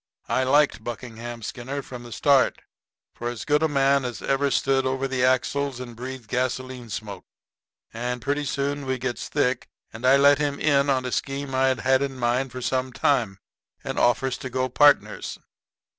I liked Buckingham Skinner from the start, for as good a man as ever stood over the axles and breathed gasoline smoke. And pretty soon we gets thick, and I let him in on a scheme I'd had in mind for some time, and offers to go partners.